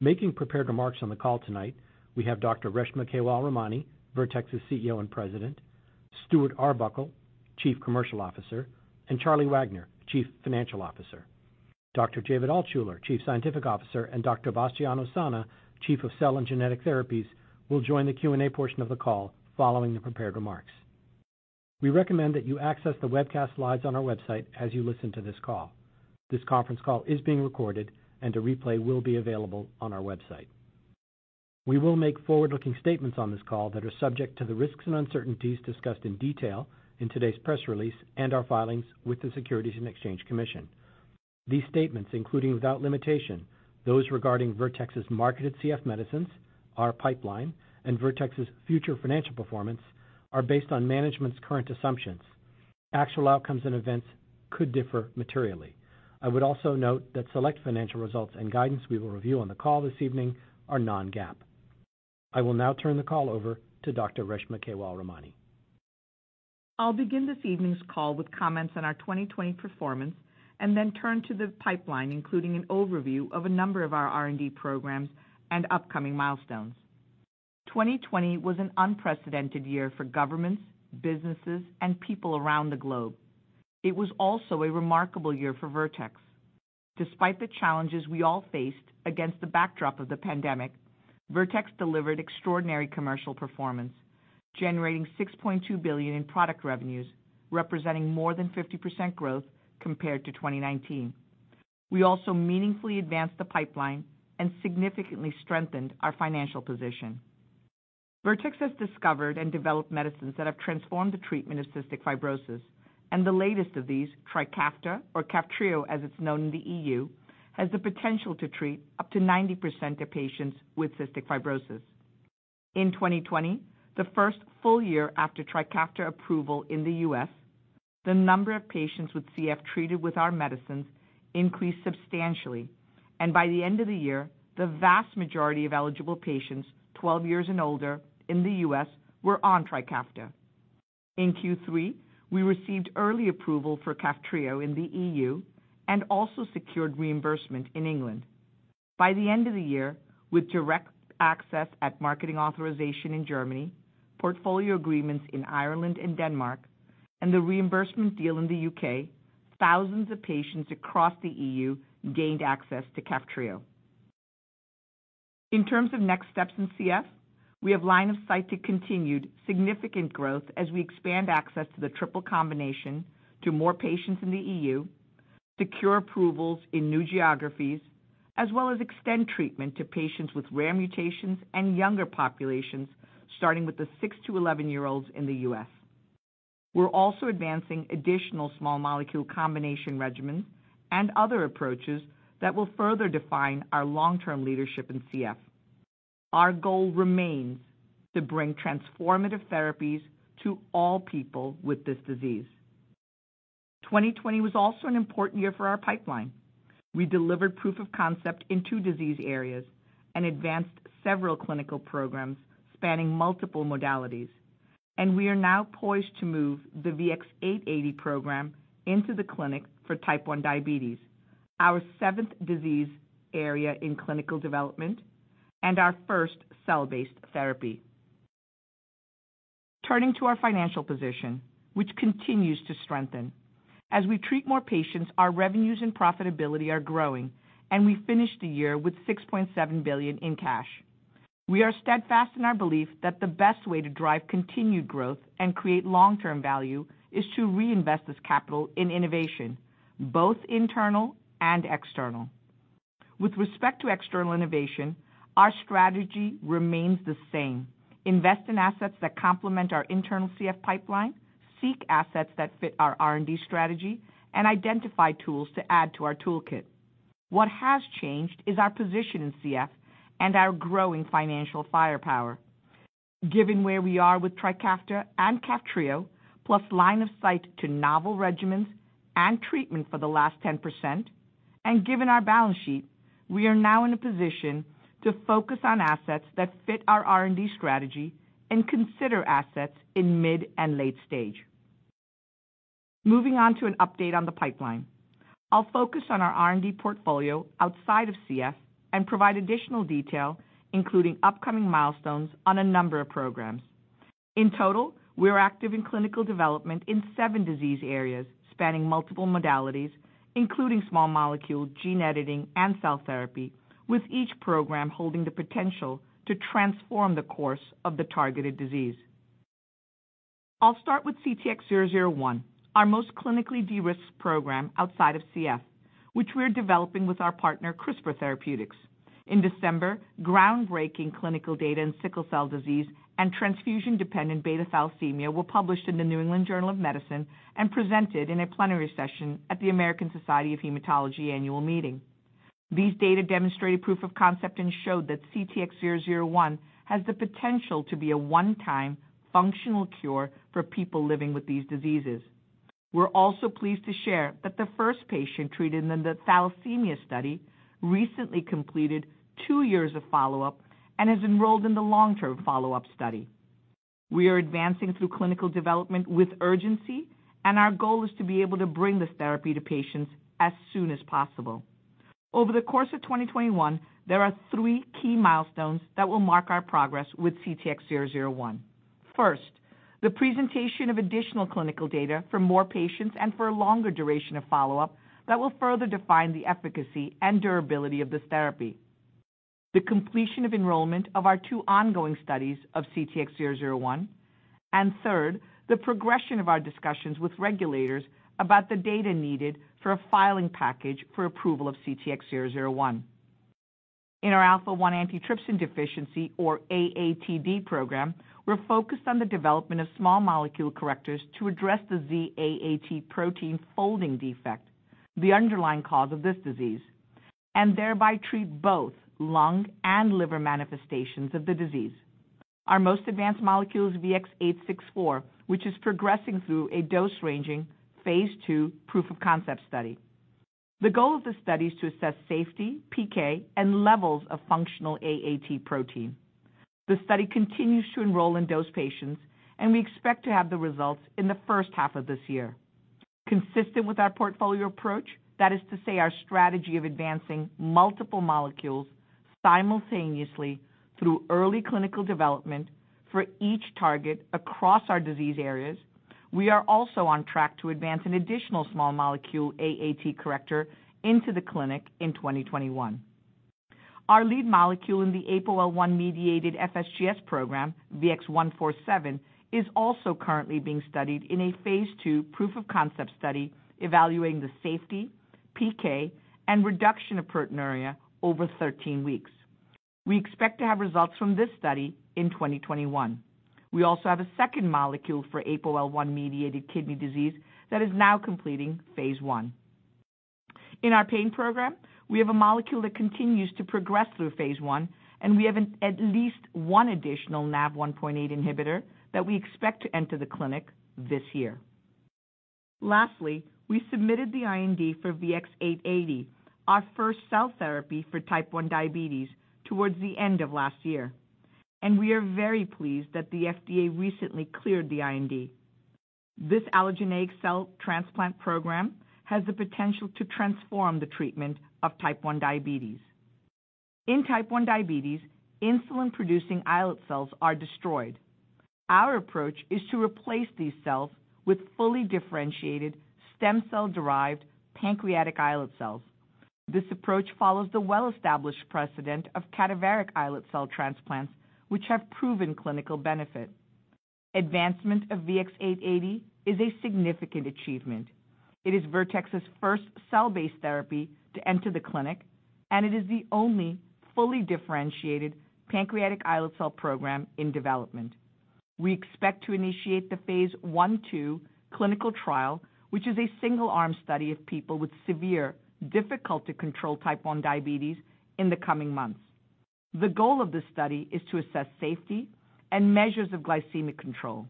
Making prepared remarks on the call tonight we have Dr. Reshma Kewalramani, Vertex's CEO and President, Stuart Arbuckle, Chief Commercial Officer, and Charlie Wagner, Chief Financial Officer. Dr. David Altshuler, Chief Scientific Officer, and Dr. Bastiano Sanna, Chief of Cell and Genetic Therapies, will join the Q&A portion of the call following the prepared remarks. We recommend that you access the webcast live on our website as you listen to this call. This conference call is being recorded and a replay will be available on our website. We will make forward-looking statements on this call that are subject to the risks and uncertainties discussed in detail in today's press release and our filings with the Securities and Exchange Commission. These statements, including without limitation, those regarding Vertex's marketed CF medicines, our pipeline, and Vertex's future financial performance, are based on management's current assumptions. Actual outcomes and events could differ materially. I would also note that select financial results and guidance we will review on the call this evening are non-GAAP. I will now turn the call over to Dr. Reshma Kewalramani. I'll begin this evening's call with comments on our 2020 performance and then turn to the pipeline, including an overview of a number of our R&D programs and upcoming milestones. 2020 was an unprecedented year for governments, businesses, and people around the globe. It was also a remarkable year for Vertex. Despite the challenges we all faced against the backdrop of the pandemic, Vertex delivered extraordinary commercial performance, generating $6.2 billion in product revenues, representing more than 50% growth compared to 2019. We also meaningfully advanced the pipeline and significantly strengthened our financial position. Vertex has discovered and developed medicines that have transformed the treatment of cystic fibrosis, and the latest of these, TRIKAFTA, or KAFTRIO as it's known in the EU, has the potential to treat up to 90% of patients with cystic fibrosis. In 2020, the first full year after TRIKAFTA approval in the U.S., the number of patients with CF treated with our medicines increased substantially, and by the end of the year, the vast majority of eligible patients 12 years and older in the U.S. were on TRIKAFTA. In Q3, we received early approval for KAFTRIO in the EU and also secured reimbursement in England. By the end of the year, with direct access at marketing authorization in Germany, portfolio agreements in Ireland and Denmark, and the reimbursement deal in the U.K., thousands of patients across the EU gained access to KAFTRIO. In terms of next steps in CF, we have line of sight to continued significant growth as we expand access to the triple combination to more patients in the EU, secure approvals in new geographies, as well as extend treatment to patients with rare mutations and younger populations, starting with the 6-11 year-olds in the U.S. We're also advancing additional small molecule combination regimens and other approaches that will further define our long-term leadership in CF. Our goal remains to bring transformative therapies to all people with this disease. 2020 was also an important year for our pipeline. We delivered proof of concept in two disease areas and advanced several clinical programs spanning multiple modalities, and we are now poised to move the VX-880 program into the clinic for Type 1 diabetes, our seventh disease area in clinical development and our first cell-based therapy. Turning to our financial position, which continues to strengthen. As we treat more patients, our revenues and profitability are growing, and we finished the year with $6.7 billion in cash. We are steadfast in our belief that the best way to drive continued growth and create long-term value is to reinvest this capital in innovation, both internal and external. With respect to external innovation, our strategy remains the same: invest in assets that complement our internal CF pipeline, seek assets that fit our R&D strategy, and identify tools to add to our toolkit. What has changed is our position in CF and our growing financial firepower. Given where we are with TRIKAFTA and KAFTRIO, plus line of sight to novel regimens and treatment for the last 10%, and given our balance sheet, we are now in a position to focus on assets that fit our R&D strategy and consider assets in mid and late stage. Moving on to an update on the pipeline. I'll focus on our R&D portfolio outside of CF and provide additional detail, including upcoming milestones on a number of programs. In total, we're active in clinical development in seven disease areas spanning multiple modalities, including small molecule, gene editing, and cell therapy, with each program holding the potential to transform the course of the targeted disease. I'll start with CTX001, our most clinically de-risked program outside of CF, which we're developing with our partner, CRISPR Therapeutics. In December, groundbreaking clinical data in sickle cell disease and transfusion-dependent beta thalassemia were published in "The New England Journal of Medicine" and presented in a plenary session at the American Society of Hematology annual meeting. These data demonstrated proof of concept and showed that CTX001 has the potential to be a one-time functional cure for people living with these diseases. We're also pleased to share that the first patient treated in the thalassemia study recently completed two years of follow-up and is enrolled in the long-term follow-up study. We are advancing through clinical development with urgency, and our goal is to be able to bring this therapy to patients as soon as possible. Over the course of 2021, there are three key milestones that will mark our progress with CTX001. First, the presentation of additional clinical data for more patients and for a longer duration of follow-up that will further define the efficacy and durability of this therapy. Third, the progression of our discussions with regulators about the data needed for a filing package for approval of CTX001. In our alpha-1 antitrypsin deficiency, or AATD program, we're focused on the development of small molecule correctors to address the Z-AAT protein folding defect, the underlying cause of this disease, and thereby treat both lung and liver manifestations of the disease. Our most advanced molecule is VX-864, which is progressing through a dose-ranging phase II proof-of-concept study. The goal of the study is to assess safety, PK, and levels of functional AAT protein. The study continues to enroll and dose patients, and we expect to have the results in the first half of this year. Consistent with our portfolio approach, that is to say, our strategy of advancing multiple molecules simultaneously through early clinical development for each target across our disease areas, we are also on track to advance an additional small molecule AAT corrector into the clinic in 2021. Our lead molecule in the APOL1-mediated FSGS program, VX-147, is also currently being studied in a phase II proof-of-concept study evaluating the safety, PK, and reduction of proteinuria over 13 weeks. We expect to have results from this study in 2021. We also have a second molecule for APOL1-mediated kidney disease that is now completing phase I. In our pain program, we have a molecule that continues to progress through phase I, and we have at least one additional NaV1.8 inhibitor that we expect to enter the clinic this year. Lastly, we submitted the IND for VX-880, our first cell therapy for Type 1 diabetes, towards the end of last year, and we are very pleased that the FDA recently cleared the IND. This allogeneic cell transplant program has the potential to transform the treatment of Type 1 diabetes. In Type 1 diabetes, insulin-producing islet cells are destroyed. Our approach is to replace these cells with fully differentiated stem cell-derived pancreatic islet cells. This approach follows the well-established precedent of cadaveric islet cell transplants, which have proven clinical benefit. Advancement of VX-880 is a significant achievement. It is Vertex's first cell-based therapy to enter the clinic, and it is the only fully differentiated pancreatic islet cell program in development. We expect to initiate the phase I/II clinical trial, which is a single-arm study of people with severe, difficult-to-control Type 1 diabetes in the coming months. The goal of this study is to assess safety and measures of glycemic control.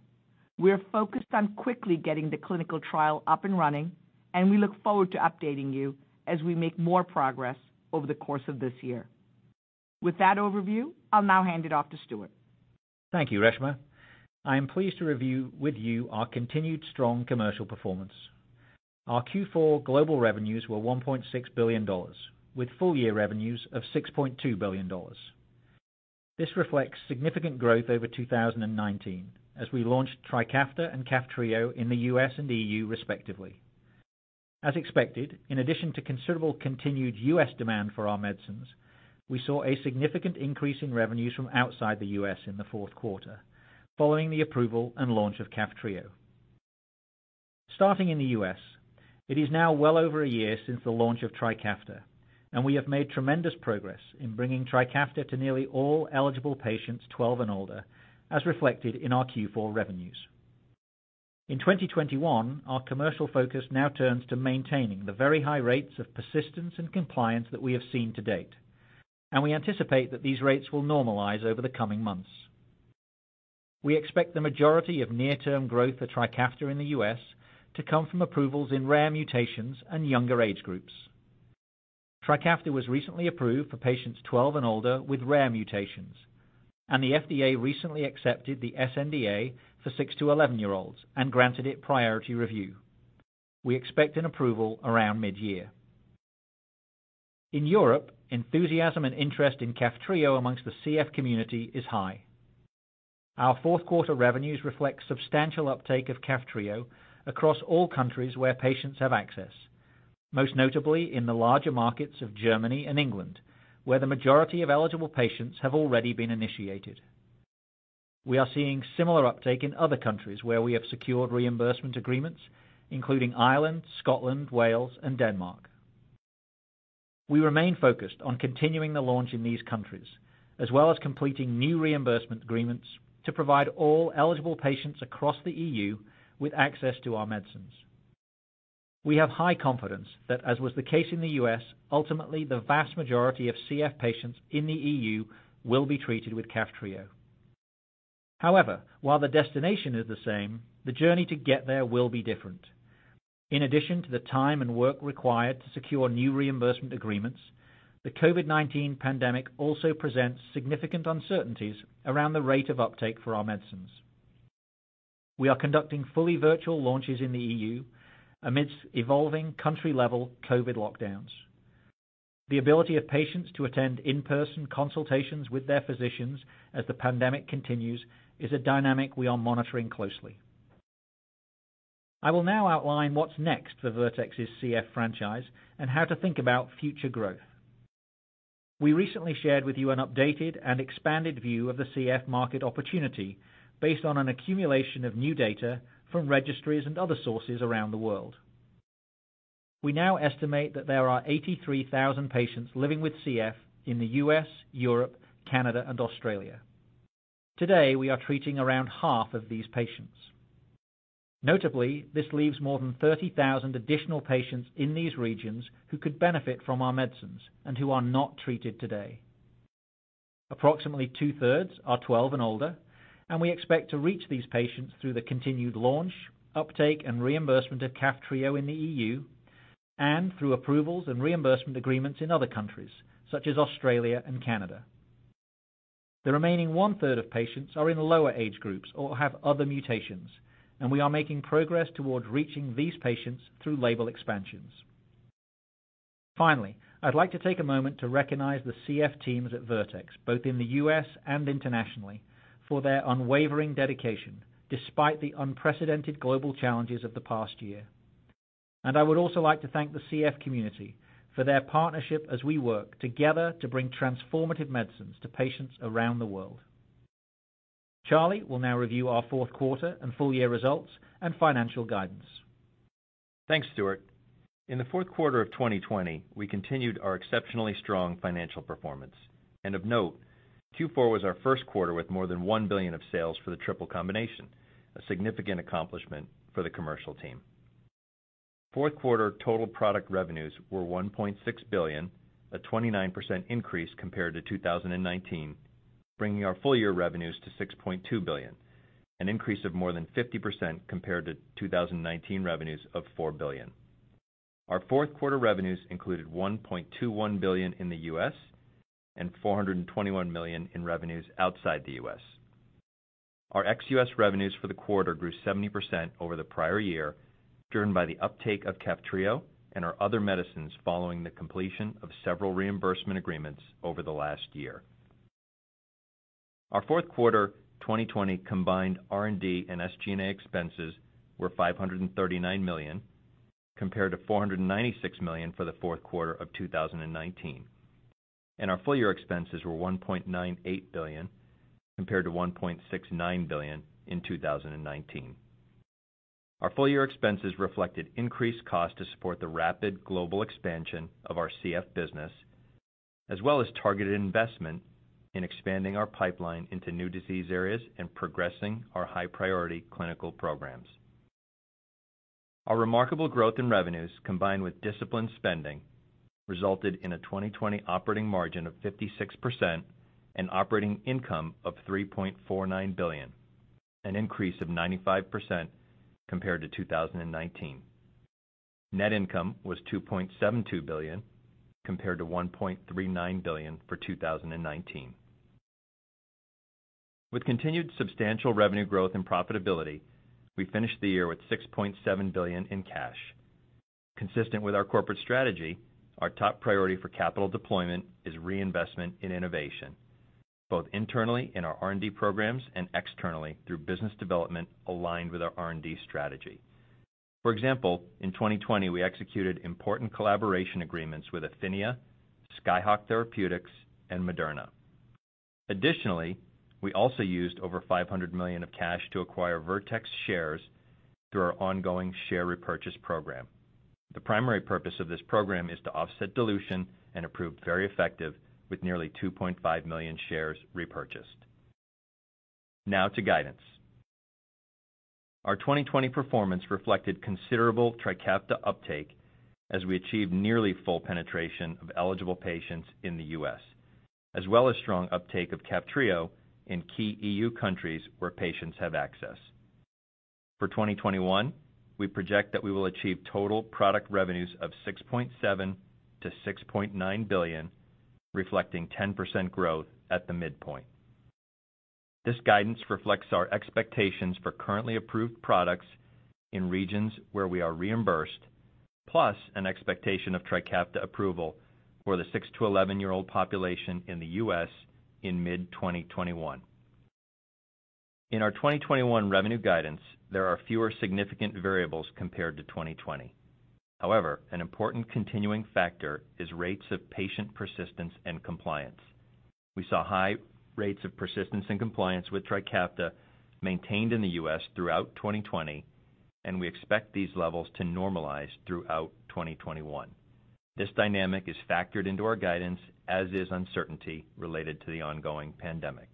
We are focused on quickly getting the clinical trial up and running, and we look forward to updating you as we make more progress over the course of this year. With that overview, I'll now hand it off to Stuart. Thank you, Reshma. I am pleased to review with you our continued strong commercial performance. Our Q4 global revenues were $1.6 billion, with full-year revenues of $6.2 billion. This reflects significant growth over 2019 as we launched TRIKAFTA and KAFTRIO in the U.S. and EU respectively. As expected, in addition to considerable continued U.S. demand for our medicines, we saw a significant increase in revenues from outside the U.S. in the fourth quarter, following the approval and launch of KAFTRIO. Starting in the U.S., it is now well over a year since the launch of TRIKAFTA, and we have made tremendous progress in bringing TRIKAFTA to nearly all eligible patients 12 and older, as reflected in our Q4 revenues. In 2021, our commercial focus now turns to maintaining the very high rates of persistence and compliance that we have seen to date. We anticipate that these rates will normalize over the coming months. We expect the majority of near-term growth for TRIKAFTA in the U.S. to come from approvals in rare mutations and younger age groups. TRIKAFTA was recently approved for patients 12 and older with rare mutations. The FDA recently accepted the sNDA for 6-11-year-olds and granted it priority review. We expect an approval around mid-year. In Europe, enthusiasm and interest in KAFTRIO amongst the CF community is high. Our fourth-quarter revenues reflect substantial uptake of KAFTRIO across all countries where patients have access, most notably in the larger markets of Germany and England, where the majority of eligible patients have already been initiated. We are seeing similar uptake in other countries where we have secured reimbursement agreements, including Ireland, Scotland, Wales, and Denmark. We remain focused on continuing the launch in these countries, as well as completing new reimbursement agreements to provide all eligible patients across the EU with access to our medicines. We have high confidence that, as was the case in the U.S., ultimately, the vast majority of CF patients in the EU will be treated with KAFTRIO. However, while the destination is the same, the journey to get there will be different. In addition to the time and work required to secure new reimbursement agreements, the COVID-19 pandemic also presents significant uncertainties around the rate of uptake for our medicines. We are conducting fully virtual launches in the EU amidst evolving country-level COVID lockdowns. The ability of patients to attend in-person consultations with their physicians as the pandemic continues is a dynamic we are monitoring closely. I will now outline what is next for Vertex's CF franchise and how to think about future growth. We recently shared with you an updated and expanded view of the CF market opportunity based on an accumulation of new data from registries and other sources around the world. We now estimate that there are 83,000 patients living with CF in the U.S., Europe, Canada, and Australia. Today, we are treating around half of these patients. Notably, this leaves more than 30,000 additional patients in these regions who could benefit from our medicines and who are not treated today. Approximately 2/3 are 12 and older. We expect to reach these patients through the continued launch, uptake, and reimbursement of KAFTRIO in the EU and through approvals and reimbursement agreements in other countries, such as Australia and Canada. The remaining 1/3 of patients are in lower age groups or have other mutations. We are making progress toward reaching these patients through label expansions. Finally, I'd like to take a moment to recognize the CF teams at Vertex, both in the U.S. and internationally, for their unwavering dedication despite the unprecedented global challenges of the past year. I would also like to thank the CF community for their partnership as we work together to bring transformative medicines to patients around the world. Charlie will now review our fourth quarter and full-year results and financial guidance. Thanks, Stuart. In the fourth quarter of 2020, we continued our exceptionally strong financial performance. Of note, Q4 was our first quarter with more than $1 billion of sales for the triple combination, a significant accomplishment for the commercial team. Fourth quarter total product revenues were $1.6 billion, a 29% increase compared to 2019, bringing our full-year revenues to $6.2 billion, an increase of more than 50% compared to 2019 revenues of $4 billion. Our fourth quarter revenues included $1.21 billion in the U.S. and $421 million in revenues outside the U.S. Our ex-U.S. revenues for the quarter grew 70% over the prior year, driven by the uptake of KAFTRIO and our other medicines following the completion of several reimbursement agreements over the last year. Our fourth quarter 2020 combined R&D and SG&A expenses were $539 million, compared to $496 million for the fourth quarter of 2019. Our full-year expenses were $1.98 billion, compared to $1.69 billion in 2019. Our full-year expenses reflected increased cost to support the rapid global expansion of our CF business, as well as targeted investment in expanding our pipeline into new disease areas and progressing our high-priority clinical programs. Our remarkable growth in revenues, combined with disciplined spending, resulted in a 2020 operating margin of 56% and operating income of $3.49 billion, an increase of 95% compared to 2019. Net income was $2.72 billion, compared to $1.39 billion for 2019. With continued substantial revenue growth and profitability, we finished the year with $6.7 billion in cash. Consistent with our corporate strategy, our top priority for capital deployment is reinvestment in innovation, both internally in our R&D programs and externally through business development aligned with our R&D strategy. For example, in 2020, we executed important collaboration agreements with Affinia, Skyhawk Therapeutics, and Moderna. Additionally, we also used over $500 million of cash to acquire Vertex shares through our ongoing share repurchase program. The primary purpose of this program is to offset dilution and approved very effective with nearly 2.5 million shares repurchased. Now to guidance. Our 2020 performance reflected considerable TRIKAFTA uptake as we achieved nearly full penetration of eligible patients in the U.S., as well as strong uptake of KAFTRIO in key EU countries where patients have access. For 2021, we project that we will achieve total product revenues of $6.7 billion-$6.9 billion, reflecting 10% growth at the midpoint. This guidance reflects our expectations for currently approved products in regions where we are reimbursed, plus an expectation of TRIKAFTA approval for the 6-11-year-old population in the U.S. in mid-2021. In our 2021 revenue guidance, there are fewer significant variables compared to 2020. An important continuing factor is rates of patient persistence and compliance. We saw high rates of persistence and compliance with TRIKAFTA maintained in the U.S. throughout 2020, and we expect these levels to normalize throughout 2021. This dynamic is factored into our guidance, as is uncertainty related to the ongoing pandemic.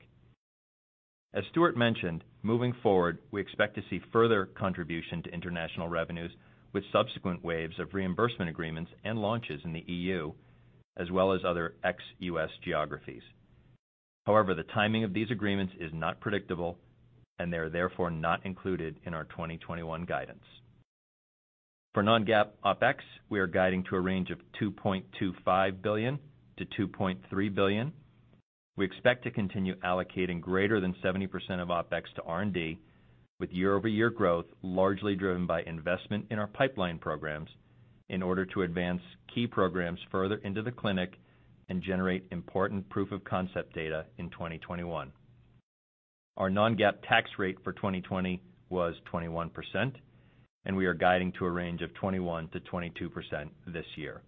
As Stuart mentioned, moving forward, we expect to see further contribution to international revenues with subsequent waves of reimbursement agreements and launches in the EU, as well as other ex-U.S. geographies. The timing of these agreements is not predictable, and they're therefore not included in our 2021 guidance. For non-GAAP OpEx, we are guiding to a range of $2.25 billion-$2.3 billion. We expect to continue allocating greater than 70% of OpEx to R&D, with year-over-year growth largely driven by investment in our pipeline programs, in order to advance key programs further into the clinic and generate important proof-of-concept data in 2021. Our non-GAAP tax rate for 2020 was 21%. We are guiding to a range of 21%-22% this year.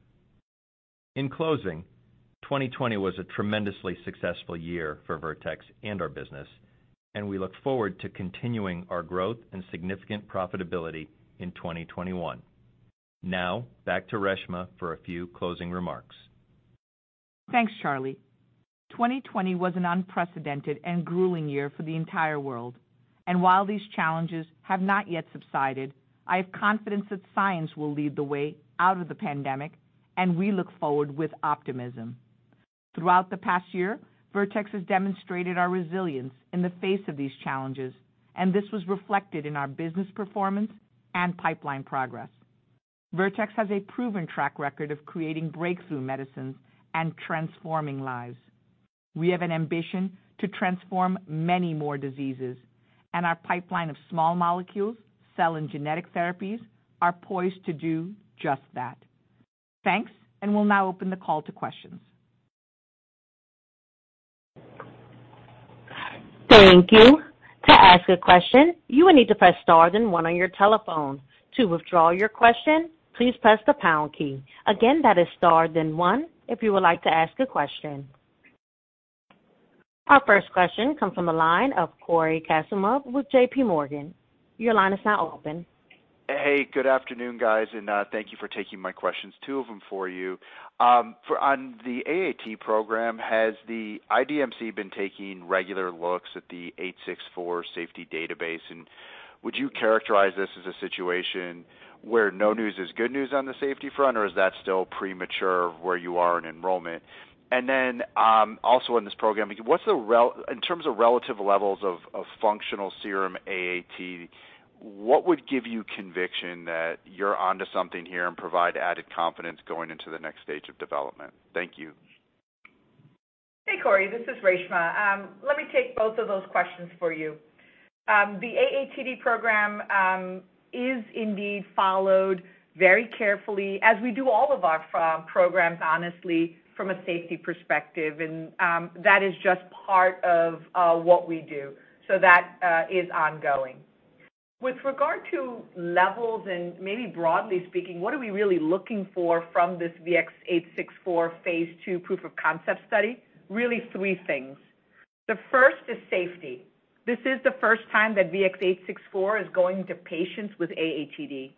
In closing, 2020 was a tremendously successful year for Vertex and our business. We look forward to continuing our growth and significant profitability in 2021. Now, back to Reshma for a few closing remarks. Thanks, Charlie. 2020 was an unprecedented and grueling year for the entire world. While these challenges have not yet subsided, I have confidence that science will lead the way out of the pandemic, and we look forward with optimism. Throughout the past year, Vertex has demonstrated our resilience in the face of these challenges, and this was reflected in our business performance and pipeline progress. Vertex has a proven track record of creating breakthrough medicines and transforming lives. We have an ambition to transform many more diseases, our pipeline of small molecules, cell and genetic therapies are poised to do just that. Thanks, we'll now open the call to questions. Thank you. To ask a question, you will need to press star then one on your telephone. To withdraw your question, please press the pound key. Again, that is star then one if you would like to ask a question. Our first question comes from the line of Cory Kasimov with JPMorgan. Your line is now open. Hey, good afternoon, guys. Thank you for taking my questions. Two of them for you. On the AAT program, has the IDMC been taking regular looks at the VX-864 safety database? Would you characterize this as a situation where no news is good news on the safety front, or is that still premature where you are in enrollment? Then, also in this program, in terms of relative levels of functional serum AAT, what would give you conviction that you're onto something here and provide added confidence going into the next stage of development? Thank you. Hey, Cory. This is Reshma. Let me take both of those questions for you. The AATD program is indeed followed very carefully as we do all of our programs, honestly, from a safety perspective. That is just part of what we do. That is ongoing. With regard to levels and maybe broadly speaking, what are we really looking for from this VX-864 phase II proof-of-concept study? Really three things. The first is safety. This is the first time that VX-864 is going to patients with AATD.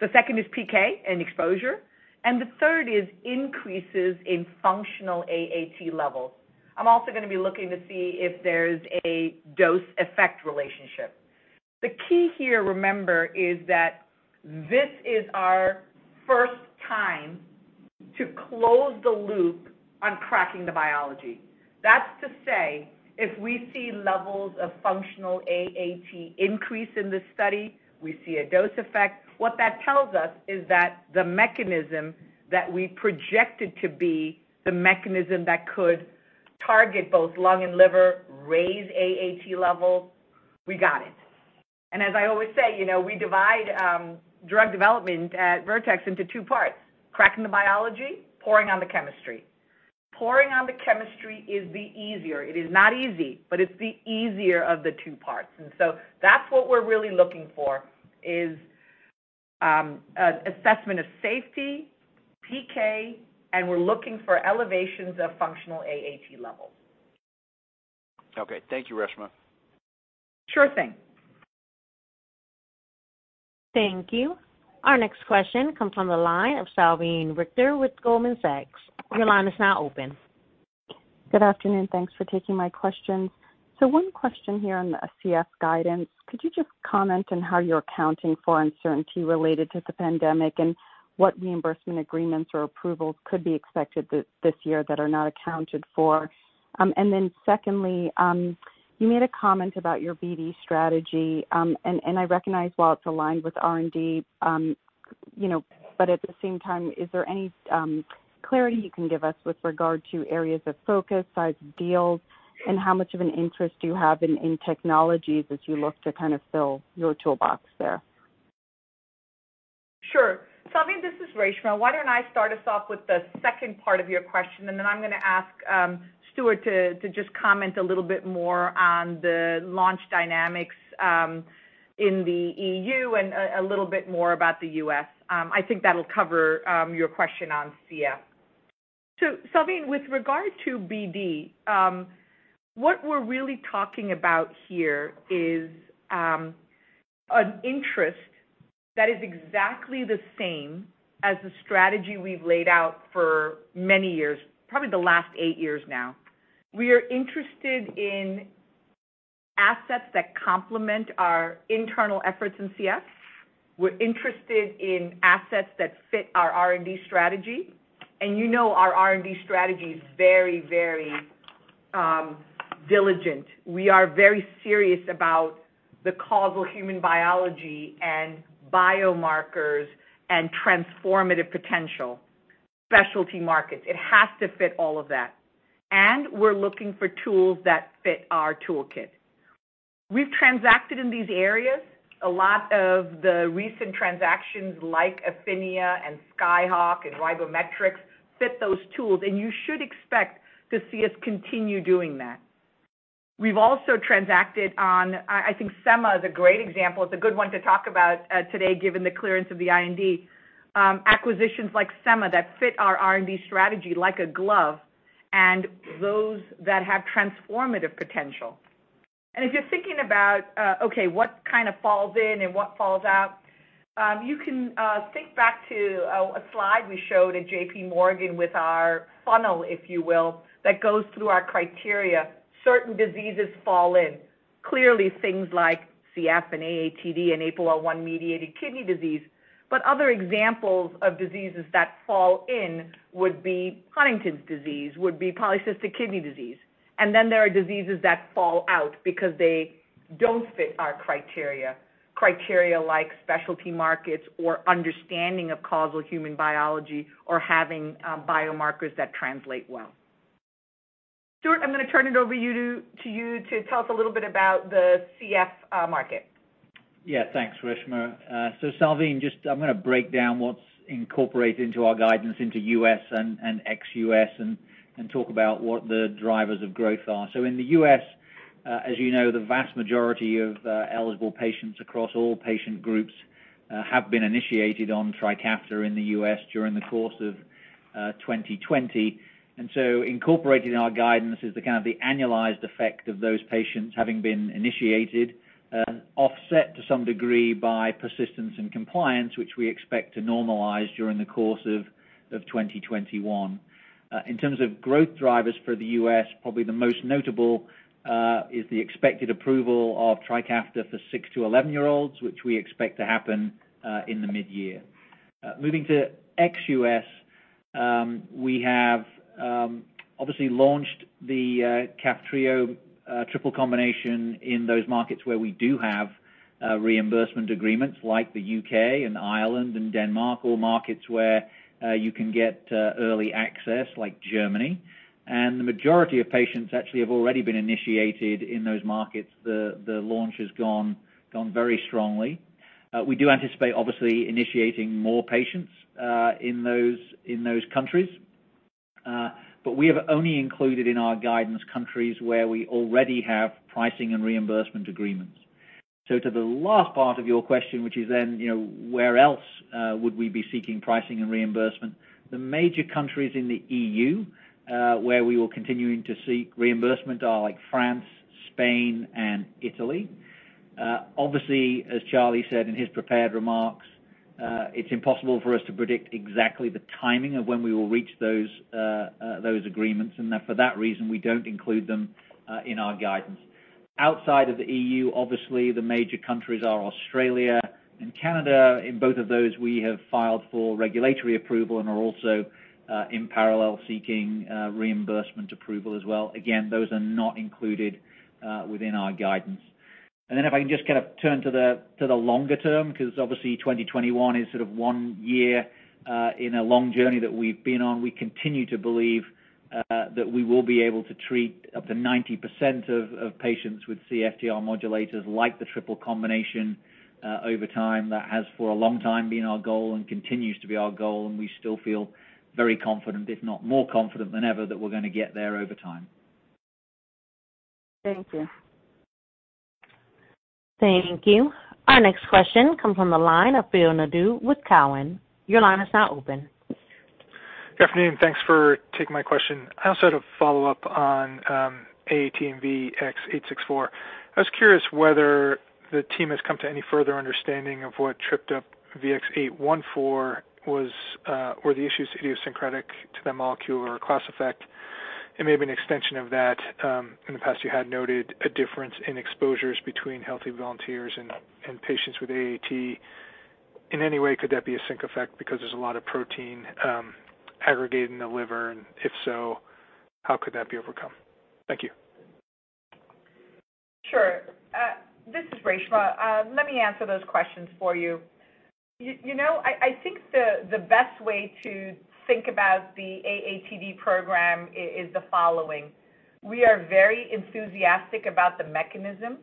The second is PK and exposure. The third is increases in functional AAT levels. I'm also going to be looking to see if there's a dose-effect relationship. The key here, remember, is that this is our first time to close the loop on cracking the biology. That's to say, if we see levels of functional AAT increase in this study, we see a dose effect, what that tells us is that the mechanism that we projected to be the mechanism that could target both lung and liver, raise AAT levels, we got it. As I always say, we divide drug development at Vertex into two parts, cracking the biology, pouring on the chemistry. Pouring on the chemistry is the easier. It is not easy, but it's the easier of the two parts. That's what we're really looking for, is an assessment of safety, PK, and we're looking for elevations of functional AAT levels. Okay. Thank you, Reshma. Sure thing. Thank you. Our next question comes from the line of Salveen Richter with Goldman Sachs. Good afternoon. Thanks for taking my questions. One question here on the CF guidance. Could you just comment on how you're accounting for uncertainty related to the pandemic and what reimbursement agreements or approvals could be expected this year that are not accounted for? Secondly, you made a comment about your BD strategy. I recognize while it's aligned with R&D, but at the same time, is there any clarity you can give us with regard to areas of focus, size of deals, and how much of an interest do you have in technologies as you look to kind of fill your toolbox there? Sure. Salveen, this is Reshma. Why don't I start us off with the second part of your question, and then I'm going to ask Stuart to just comment a little bit more on the launch dynamics in the EU and a little bit more about the U.S. I think that'll cover your question on CF. Salveen, with regard to BD, what we're really talking about here is an interest that is exactly the same as the strategy we've laid out for many years, probably the last eight years now. We are interested in assets that complement our internal efforts in CF. We're interested in assets that fit our R&D strategy. You know our R&D strategy is very diligent. We are very serious about the causal human biology and biomarkers and transformative potential, specialty markets. It has to fit all of that. We're looking for tools that fit our toolkit. We've transacted in these areas. A lot of the recent transactions like Affinia and Skyhawk and Ribometrix fit those tools, and you should expect to see us continue doing that. We've also transacted on, I think Semma is a great example. It's a good one to talk about today given the clearance of the IND. Acquisitions like Semma that fit our R&D strategy like a glove, and those that have transformative potential. If you're thinking about what kind of falls in and what falls out, you can think back to a slide we showed at JPMorgan with our funnel, if you will, that goes through our criteria. Certain diseases fall in. Clearly things like CF and AATD and APOL1-mediated kidney disease. Other examples of diseases that fall in would be Huntington's disease, would be polycystic kidney disease. Then there are diseases that fall out because they don't fit our criteria. Criteria like specialty markets or understanding of causal human biology or having biomarkers that translate well. Stuart, I'm going to turn it over to you to tell us a little bit about the CF market. Yeah, thanks, Reshma. Salveen, I'm going to break down what's incorporated into our guidance into U.S. and ex-U.S. and talk about what the drivers of growth are. In the U.S., as you know, the vast majority of eligible patients across all patient groups have been initiated on TRIKAFTA in the U.S. during the course of 2020. Incorporating our guidance is the kind of the annualized effect of those patients having been initiated, offset to some degree by persistence and compliance, which we expect to normalize during the course of 2021. In terms of growth drivers for the U.S., probably the most notable is the expected approval of TRIKAFTA for 6-11-year-olds, which we expect to happen in the mid-year. Moving to ex-U.S., we have obviously launched the KAFTRIO triple combination in those markets where we do have reimbursement agreements like the U.K. and Ireland and Denmark or markets where you can get early access like Germany. The majority of patients actually have already been initiated in those markets. The launch has gone very strongly. We do anticipate obviously initiating more patients in those countries, but we have only included in our guidance countries where we already have pricing and reimbursement agreements. To the last part of your question, which is then, where else would we be seeking pricing and reimbursement? The major countries in the EU where we will continuing to seek reimbursement are like France, Spain and Italy. Obviously, as Charlie said in his prepared remarks, it's impossible for us to predict exactly the timing of when we will reach those agreements, and for that reason, we don't include them in our guidance. Outside of the EU, obviously the major countries are Australia and Canada. In both of those, we have filed for regulatory approval and are also in parallel seeking reimbursement approval as well. Again, those are not included within our guidance. If I can just turn to the longer term, because obviously 2021 is sort of one year in a long journey that we've been on. We continue to believe that we will be able to treat up to 90% of patients with CFTR modulators like the triple combination over time. That has for a long time been our goal and continues to be our goal, and we still feel very confident, if not more confident than ever, that we're going to get there over time. Thank you. Thank you. Our next question comes from the line of Phil Nadeau with Cowen. Your line is now open. Good afternoon, thanks for taking my question. I also had a follow-up on AAT VX-864. I was curious whether the team has come to any further understanding of what tripped up VX-814, were the issues idiosyncratic to the molecule or class effect? Maybe an extension of that, in the past you had noted a difference in exposures between healthy volunteers and patients with AAT. In any way, could that be a sink effect because there's a lot of protein aggregating in the liver, and if so, how could that be overcome? Thank you. Sure. This is Reshma. Let me answer those questions for you. I think the best way to think about the AATD program is the following. We are very enthusiastic about the mechanism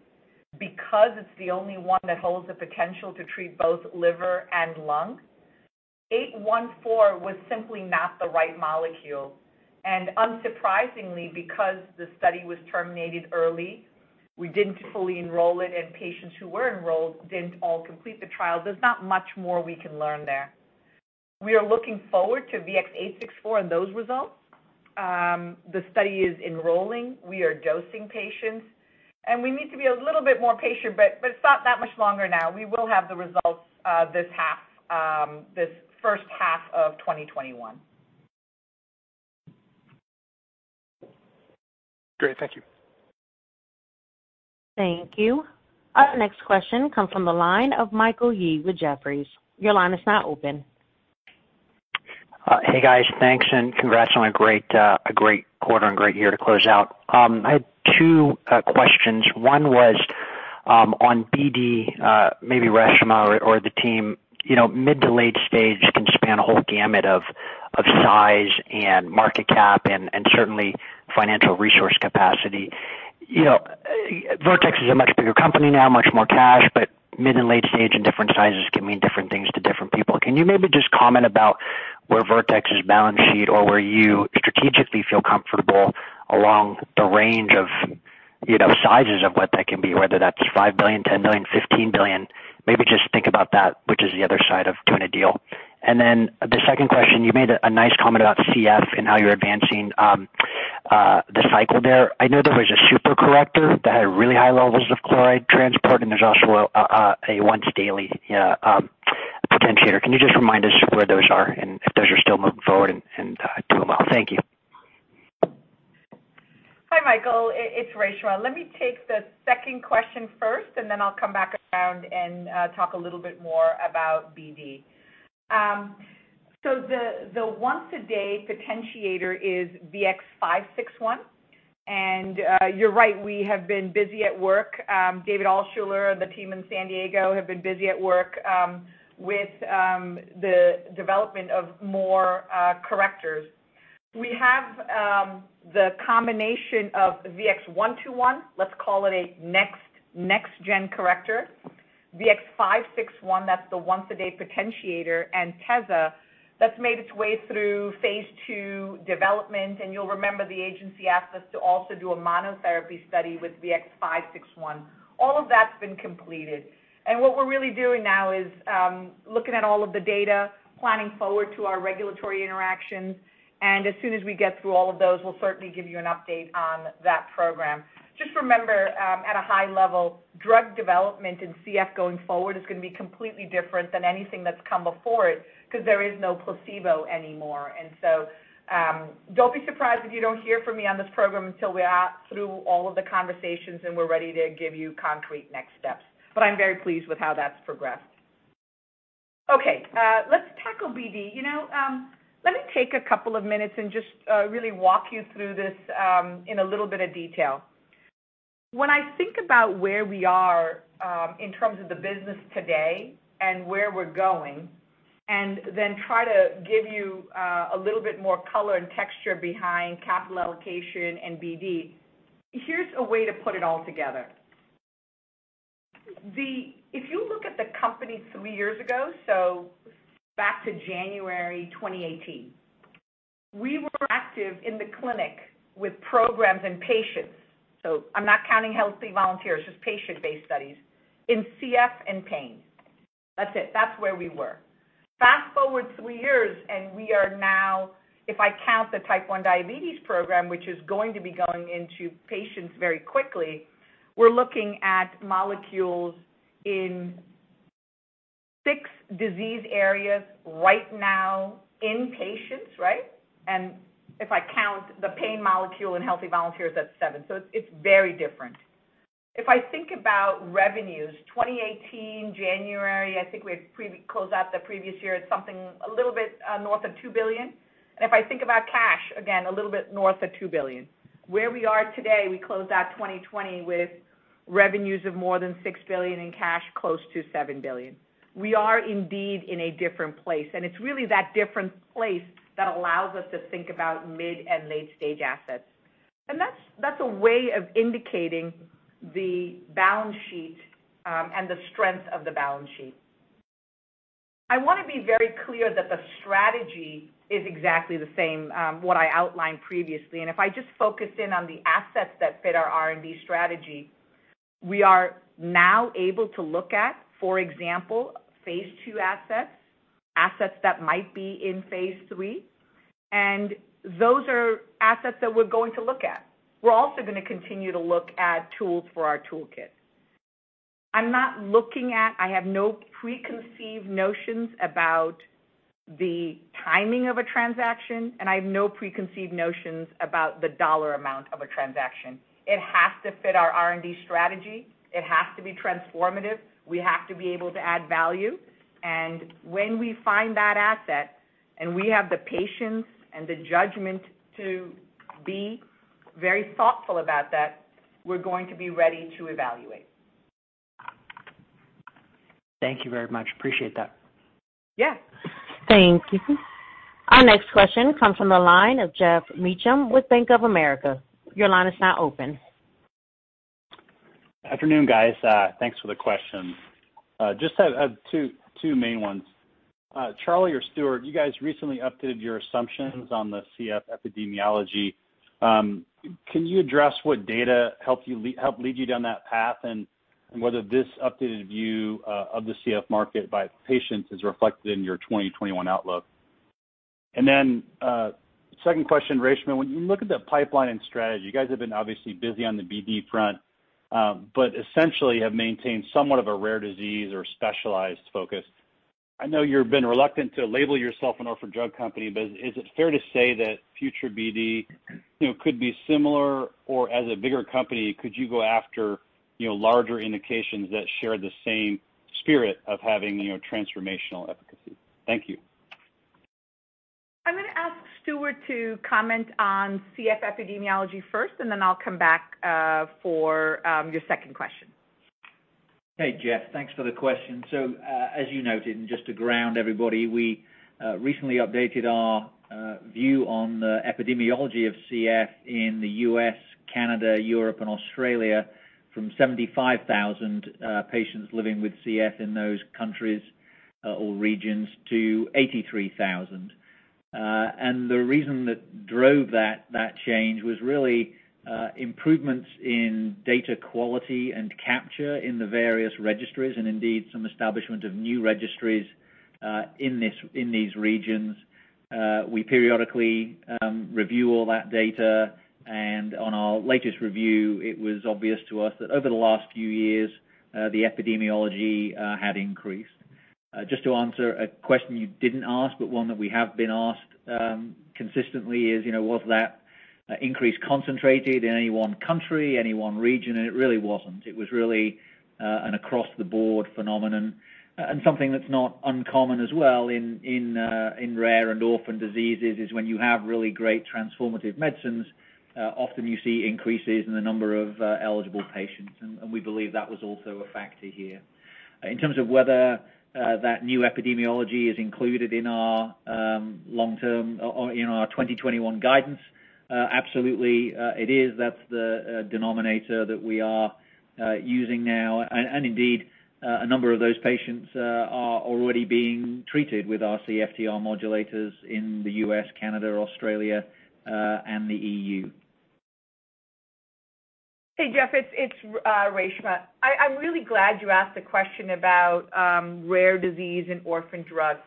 because it's the only one that holds the potential to treat both liver and lung. VX-814 was simply not the right molecule, and unsurprisingly because the study was terminated early, we didn't fully enroll it and patients who were enrolled didn't all complete the trial. There's not much more we can learn there. We are looking forward to VX-864 and those results. The study is enrolling. We are dosing patients. We need to be a little bit more patient, but it's not that much longer now. We will have the results this first half of 2021. Great. Thank you. Thank you. Our next question comes from the line of Michael Yee with Jefferies. Hey, guys. Thanks. Congrats on a great quarter and great year to close out. I had two questions. One was on BD, maybe Reshma or the team. Mid to late stage can span a whole gamut of size and market cap and certainly financial resource capacity. Vertex is a much bigger company now, much more cash, but mid and late stage in different sizes can mean different things to different people. Can you maybe just comment about where Vertex's balance sheet or where you strategically feel comfortable along the range of sizes of what that can be, whether that's $5 billion, $10 billion, $15 billion? Maybe just think about that, which is the other side of doing a deal. The second question, you made a nice comment about CF and how you're advancing the cycle there. I know there was a super corrector that had really high levels of chloride transport, and there's also a once-daily potentiator. Can you just remind us where those are and if those are still moving forward and doing well? Thank you. Hi, Michael. It's Reshma. Let me take the second question first. Then I'll come back around and talk a little bit more about BD. The once-a-day potentiator is VX-561. You're right, we have been busy at work. David Altshuler and the team in San Diego have been busy at work with the development of more correctors. We have the combination of VX-121, let's call it a next-gen corrector, VX-561, that's the once-a-day potentiator, and tezacaftor, that's made its way through phase II development. You'll remember the agency asked us to also do a monotherapy study with VX-561. All of that's been completed. What we're really doing now is looking at all of the data, planning forward to our regulatory interactions, and as soon as we get through all of those, we'll certainly give you an update on that program. Just remember, at a high level, drug development in CF going forward is going to be completely different than anything that's come before it because there is no placebo anymore. Don't be surprised if you don't hear from me on this program until we're through all of the conversations and we're ready to give you concrete next steps. I'm very pleased with how that's progressed. Okay, let's tackle BD. Let me take a couple of minutes and just really walk you through this in a little bit of detail. When I think about where we are in terms of the business today and where we're going, and then try to give you a little bit more color and texture behind capital allocation and BD, here's a way to put it all together. If you look at the company three years ago, back to January 2018, we were active in the clinic with programs and patients. I'm not counting healthy volunteers, just patient-based studies in CF and pain. That's it. That's where we were. Fast-forward three years, we are now, if I count the Type 1 diabetes program, which is going to be going into patients very quickly, we're looking at molecules in six disease areas right now in patients. Right? If I count the pain molecule in healthy volunteers, that's seven. It's very different. If I think about revenues, 2018, January, I think we had closed out the previous year at something a little bit north of $2 billion. If I think about cash, again, a little bit north of $2 billion. Where we are today, we closed out 2020 with revenues of more than $6 billion and cash close to $7 billion. We are indeed in a different place, it's really that different place that allows us to think about mid and late-stage assets. That's a way of indicating the balance sheet and the strength of the balance sheet. I want to be very clear that the strategy is exactly the same, what I outlined previously. If I just focus in on the assets that fit our R&D strategy, we are now able to look at, for example, phase II assets that might be in phase III, and those are assets that we're going to look at. We're also going to continue to look at tools for our toolkit. I have no preconceived notions about the timing of a transaction. I have no preconceived notions about the dollar amount of a transaction. It has to fit our R&D strategy. It has to be transformative. We have to be able to add value. When we find that asset and we have the patience and the judgment to be very thoughtful about that, we're going to be ready to evaluate. Thank you very much. Appreciate that. Yeah. Thank you. Our next question comes from the line of Geoff Meacham with Bank of America. Afternoon, guys. Thanks for the questions. Just have two main ones. Charlie or Stuart, you guys recently updated your assumptions on the CF epidemiology. Can you address what data helped lead you down that path, and whether this updated view of the CF market by patients is reflected in your 2021 outlook? Then, second question, Reshma, when you look at the pipeline and strategy, you guys have been obviously busy on the BD front but essentially have maintained somewhat of a rare disease or specialized focus. I know you've been reluctant to label yourself an orphan drug company, but is it fair to say that future BD could be similar? Or as a bigger company, could you go after larger indications that share the same spirit of having transformational efficacy? Thank you. I'm going to ask Stuart to comment on CF epidemiology first, and then I'll come back for your second question. Hey, Geoff. Thanks for the question. As you noted, and just to ground everybody, we recently updated our view on the epidemiology of CF in the U.S., Canada, Europe, and Australia from 75,000 patients living with CF in those countries or regions to 83,000. The reason that drove that change was really improvements in data quality and capture in the various registries and indeed, some establishment of new registries in these regions. We periodically review all that data, and on our latest review, it was obvious to us that over the last few years, the epidemiology had increased. Just to answer a question you didn't ask, but one that we have been asked consistently is, was that increase concentrated in any one country, any one region? It really wasn't. It was really an across-the-board phenomenon. Something that's not uncommon as well in rare and orphan diseases is when you have really great transformative medicines, often you see increases in the number of eligible patients. We believe that was also a factor here. In terms of whether that new epidemiology is included in our 2021 guidance, absolutely it is. That's the denominator that we are using now. Indeed, a number of those patients are already being treated with our CFTR modulators in the U.S., Canada, Australia, and the EU. Hey, Geoff, it's Reshma. I'm really glad you asked a question about rare disease and orphan drugs.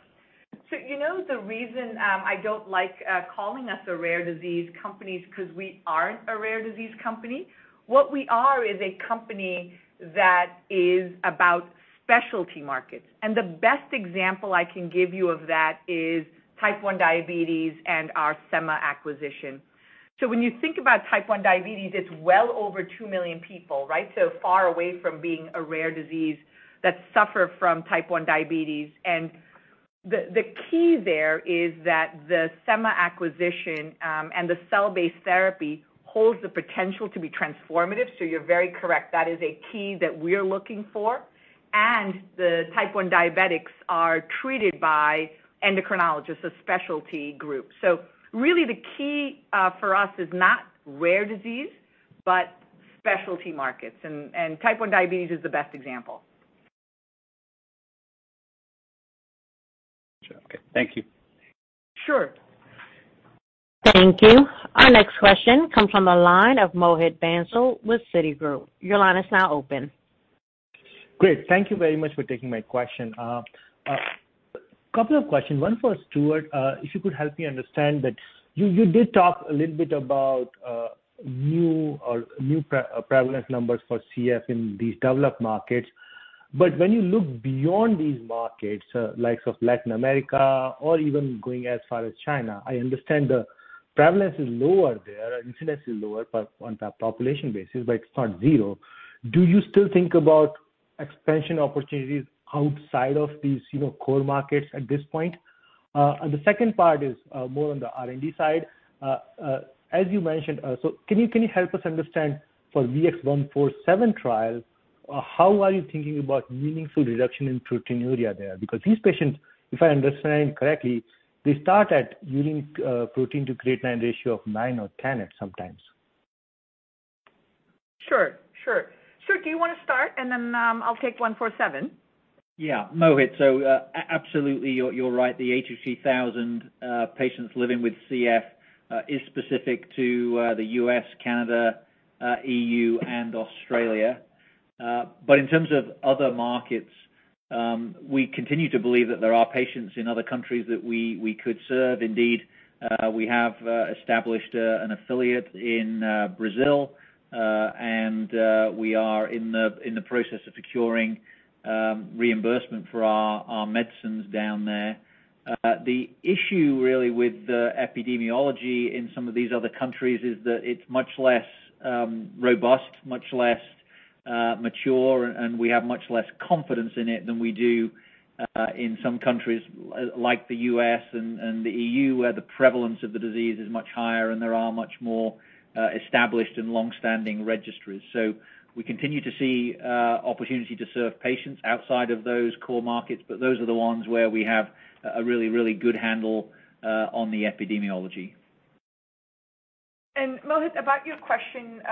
You know the reason I don't like calling us a rare disease company is because we aren't a rare disease company. What we are is a company that is about specialty markets. The best example I can give you of that is Type 1 diabetes and our Semma acquisition. When you think about Type 1 diabetes, it's well over 2 million people, right? Far away from being a rare disease that suffer from Type 1 diabetes. The key there is that the Semma acquisition and the cell-based therapy holds the potential to be transformative. You're very correct. That is a key that we're looking for. The Type I diabetics are treated by endocrinologists, a specialty group. Really the key for us is not rare disease, but specialty markets. Type 1 diabetes is the best example. Sure. Okay. Thank you. Sure. Thank you. Our next question comes from the line of Mohit Bansal with Citigroup. Your line is now open. Great. Thank you very much for taking my question. Couple of questions. One for Stuart, if you could help me understand that you did talk a little bit about new or new prevalence numbers for CF in these developed markets. When you look beyond these markets, likes of Latin America or even going as far as China, I understand the prevalence is lower there, incidence is lower, but on a population basis, but it's not zero. Do you still think about expansion opportunities outside of these core markets at this point? The second part is more on the R&D side. As you mentioned, can you help us understand for VX-147 trial, how are you thinking about meaningful reduction in proteinuria there? Because these patients, if I understand correctly, they start at urine protein to creatinine ratio of 9 or 10 sometimes. Sure. Stuart, do you want to start and then I'll take VX-147? Yeah. Mohit, absolutely, you're right. The 83,000 patients living with CF is specific to the U.S., Canada, EU, and Australia. In terms of other markets, we continue to believe that there are patients in other countries that we could serve. Indeed, we have established an affiliate in Brazil, and we are in the process of securing reimbursement for our medicines down there. The issue really with the epidemiology in some of these other countries is that it's much less robust, much less mature, and we have much less confidence in it than we do in some countries like the U.S. and the EU, where the prevalence of the disease is much higher and there are much more established and longstanding registries. We continue to see opportunity to serve patients outside of those core markets, but those are the ones where we have a really, really good handle on the epidemiology. Mohit, about your question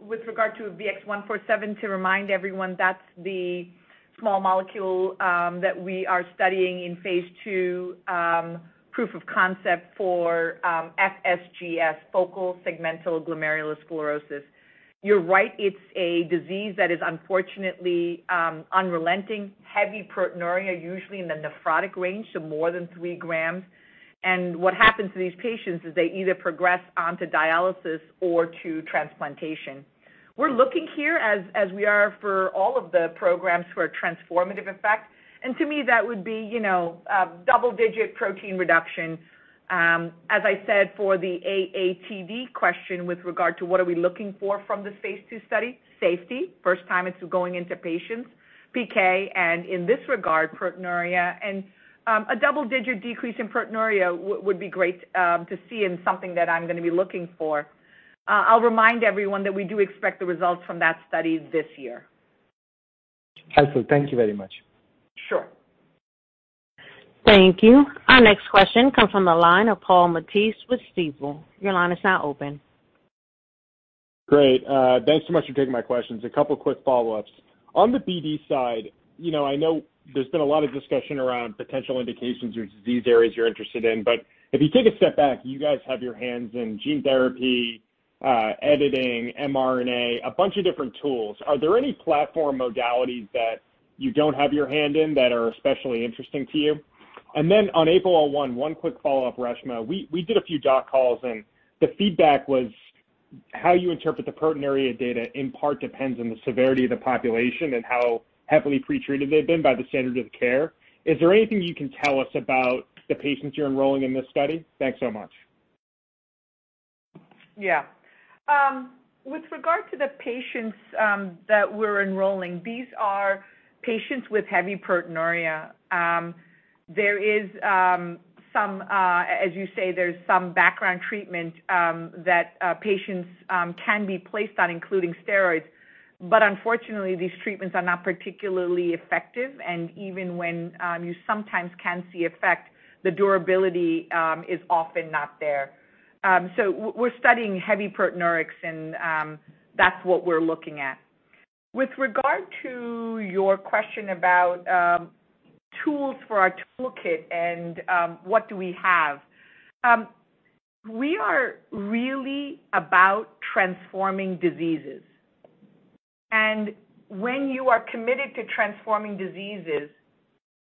with regard to VX-147, to remind everyone, that's the small molecule that we are studying in phase II, proof of concept for FSGS, focal segmental glomerulosclerosis. You're right, it's a disease that is unfortunately unrelenting, heavy proteinuria, usually in the nephrotic range, so more than three grams. What happens to these patients is they either progress onto dialysis or to transplantation. We're looking here, as we are for all of the programs, for a transformative effect. To me, that would be double-digit protein reduction. As I said, for the AAT question with regard to what are we looking for from this phase II study, safety, first time it's going into patients, PK, and in this regard, proteinuria. A double-digit decrease in proteinuria would be great to see and something that I'm going to be looking for. I'll remind everyone that we do expect the results from that study this year. Helpful. Thank you very much. Sure. Thank you. Our next question comes from the line of Paul Matteis with Stifel. Your line is now open. Great. Thanks so much for taking my questions. A couple quick follow-ups. On the BD side, I know there's been a lot of discussion around potential indications or disease areas you're interested in. If you take a step back, you guys have your hands in gene therapy, editing, mRNA, a bunch of different tools. Are there any platform modalities that you don't have your hand in that are especially interesting to you? Then on APOL1, one quick follow-up, Reshma. We did a few doc calls, the feedback was how you interpret the proteinuria data in part depends on the severity of the population and how heavily pretreated they've been by the standard of care. Is there anything you can tell us about the patients you're enrolling in this study? Thanks so much. Yeah. With regard to the patients that we're enrolling, these are patients with heavy proteinuria. As you say, there's some background treatment that patients can be placed on, including steroids. Unfortunately, these treatments are not particularly effective, and even when you sometimes can see effect, the durability is often not there. We're studying heavy proteinuria, and that's what we're looking at. With regard to your question about tools for our toolkit and what do we have. We are really about transforming diseases. When you are committed to transforming diseases,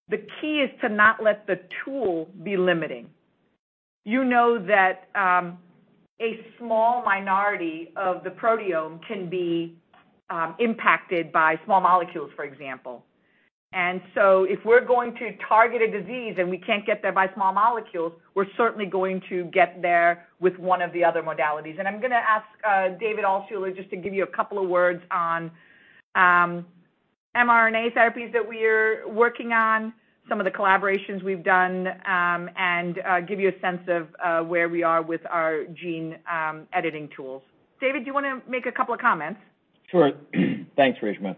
the key is to not let the tool be limiting. You know that a small minority of the proteome can be impacted by small molecules, for example. If we're going to target a disease and we can't get there by small molecules, we're certainly going to get there with one of the other modalities. I'm going to ask David Altshuler just to give you a couple of words on mRNA therapies that we're working on, some of the collaborations we've done, and give you a sense of where we are with our gene editing tools. David, do you want to make a couple of comments? Sure. Thanks, Reshma.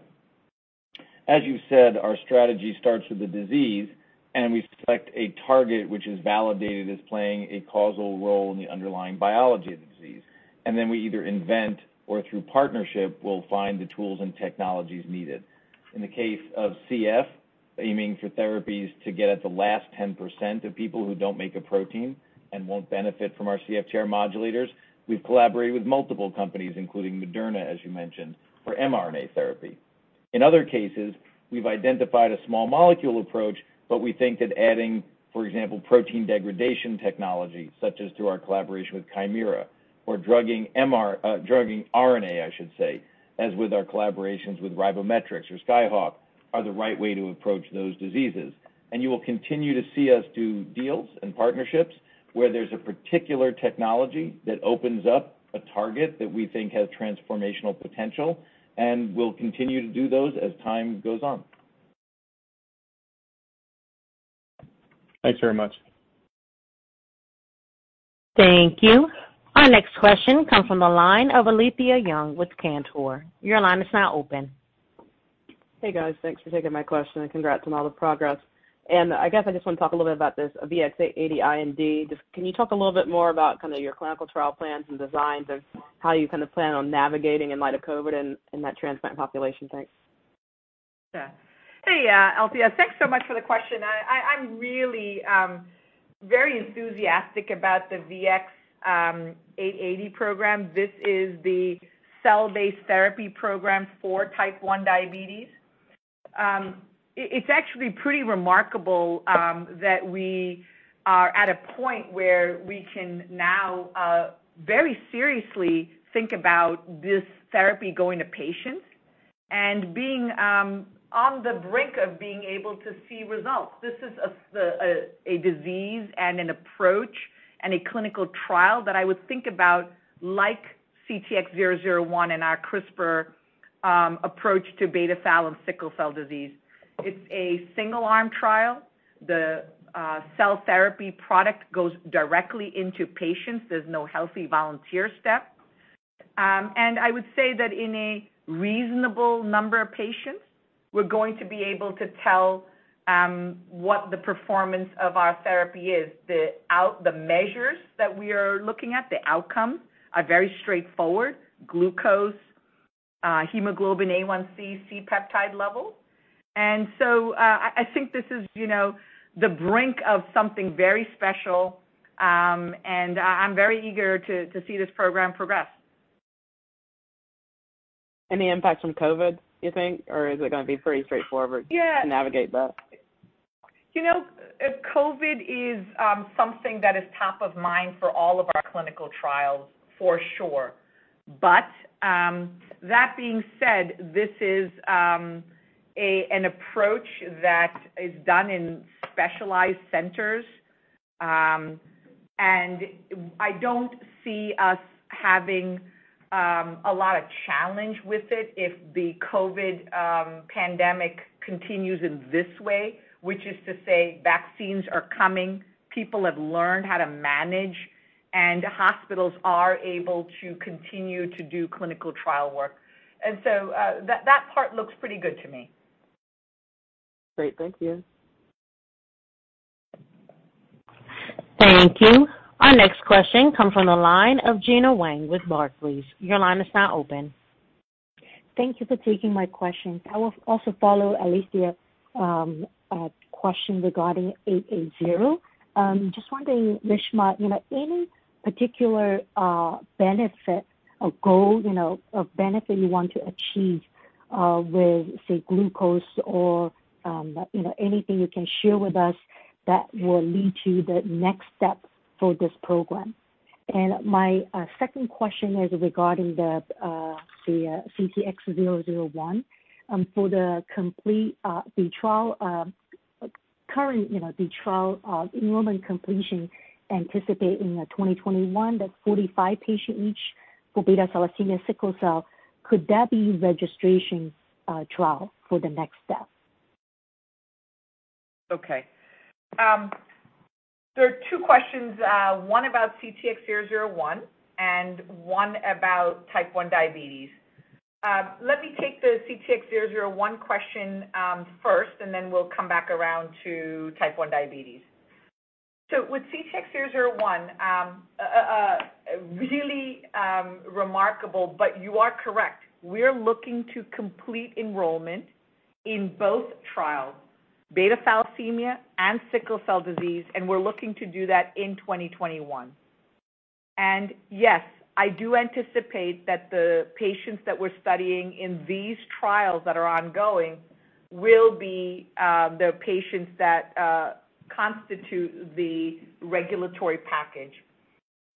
As you said, our strategy starts with the disease. We select a target which is validated as playing a causal role in the underlying biology of the disease. Then we either invent or through partnership, we'll find the tools and technologies needed. In the case of CF, aiming for therapies to get at the last 10% of people who don't make a protein and won't benefit from our CFTR modulators, we've collaborated with multiple companies, including Moderna, as you mentioned, for mRNA therapy. In other cases, we've identified a small molecule approach. We think that adding, for example, protein degradation technology, such as through our collaboration with Kymera or drugging mRNA, as with our collaborations with Ribometrix or Skyhawk, are the right way to approach those diseases. You will continue to see us do deals and partnerships where there's a particular technology that opens up a target that we think has transformational potential, and we'll continue to do those as time goes on. Thanks very much. Thank you. Our next question comes from the line of Alethia Young with Cantor. Your line is now open. Hey, guys. Thanks for taking my question, and congrats on all the progress. I guess I just want to talk a little bit about this VX-880 IND. Can you talk a little bit more about your clinical trial plans and designs of how you plan on navigating in light of COVID in that transplant population? Thanks. Yeah. Hey, Alethia. Thanks so much for the question. I'm really very enthusiastic about the VX-880 program. This is the cell-based therapy program for Type 1 diabetes. It's actually pretty remarkable that we are at a point where we can now very seriously think about this therapy going to patients and being on the brink of being able to see results. This is a disease and an approach and a clinical trial that I would think about, like CTX001 and our CRISPR approach to beta thalassemia sickle cell disease. It's a single-arm trial. The cell therapy product goes directly into patients. There's no healthy volunteer step. I would say that in a reasonable number of patients, we're going to be able to tell what the performance of our therapy is. The measures that we are looking at, the outcome, are very straightforward. Glucose, hemoglobin A1c, C-peptide level. I think this is the brink of something very special, and I'm very eager to see this program progress. Any impact from COVID, you think, or is it going to be pretty straightforward- Yeah. ...to navigate that? COVID is something that is top of mind for all of our clinical trials, for sure. That being said, this is an approach that is done in specialized centers, and I don't see us having a lot of challenge with it if the COVID pandemic continues in this way, which is to say, vaccines are coming, people have learned how to manage, and hospitals are able to continue to do clinical trial work. That part looks pretty good to me. Great. Thank you. Thank you. Our next question comes from the line of Gena Wang with Barclays. Your line is now open. Thank you for taking my questions. I will also follow Alethia, a question regarding VX-880. Wondering, Reshma, any particular benefit or goal, or benefit you want to achieve with, say, glucose or anything you can share with us that will lead to the next step for this program? My second question is regarding the CTX001. For the current trial enrollment completion anticipating 2021, that's 45 patient each for beta thalassemia sickle cell. Could that be registration trial for the next step? Okay. There are two questions, one about CTX001 and one about Type 1 diabetes. Let me take the CTX001 question first, then we'll come back around to Type 1 diabetes. With CTX001, really remarkable, you are correct. We're looking to complete enrollment in both trials, beta thalassemia and sickle cell disease, we're looking to do that in 2021. Yes, I do anticipate that the patients that we're studying in these trials that are ongoing will be the patients that constitute the regulatory package.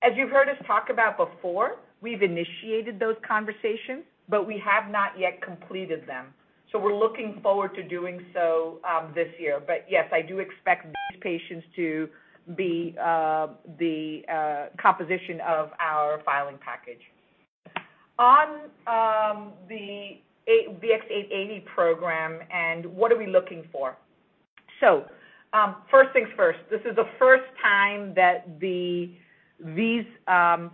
As you've heard us talk about before, we've initiated those conversations, we have not yet completed them. We're looking forward to doing so this year. Yes, I do expect these patients to be the composition of our filing package. On the VX-880 program, what are we looking for? First things first. This is the first time that these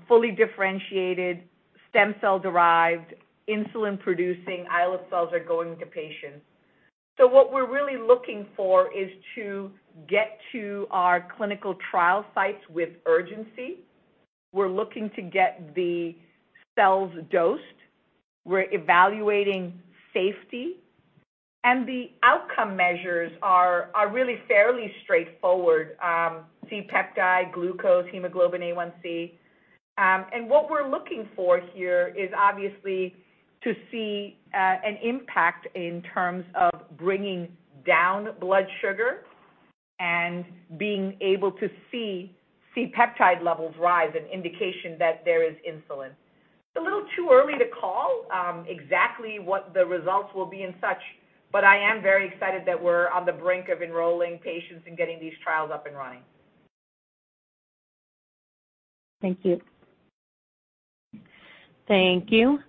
fully differentiated stem cell-derived insulin-producing islet cells are going to patients. What we're really looking for is to get to our clinical trial sites with urgency. We're looking to get the cells dosed. We're evaluating safety. The outcome measures are really fairly straightforward. C-peptide, glucose, hemoglobin A1c. What we're looking for here is obviously to see an impact in terms of bringing down blood sugar and being able to see C-peptide levels rise, an indication that there is insulin. It's a little too early to call exactly what the results will be and such, but I am very excited that we're on the brink of enrolling patients and getting these trials up and running. Thank you. Thank you.